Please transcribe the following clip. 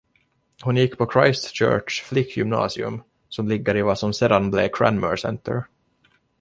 Hon gick på Christchurchs flickgymnasium, som ligger i vad som sedan blev Cranmer Centre.